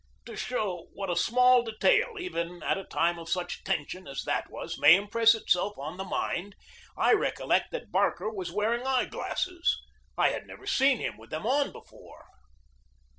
To show what a small detail, even in a time of such tension as that was, may impress itself on the mind, I recollect that Barker was wearing eye glasses. I had never seen him with them on before.